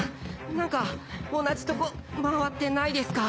燭同じとこ回ってないですか？